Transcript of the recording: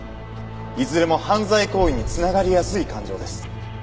いずれも犯罪行為に繋がりやすい感情です。